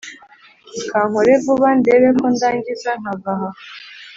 Kankore vuba ndebe ko ndangiza nkava aha